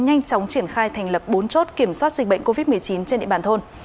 nhanh chóng triển khai thành lập bốn chốt kiểm soát dịch bệnh covid một mươi chín trên địa bàn thôn